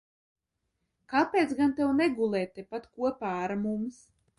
Kāpēc gan tev negulēt tepat kopā ar mums?